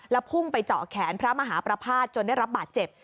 พุ่งไปเจาะแขนพระมหาประภาษณ์จนได้รับบาดเจ็บ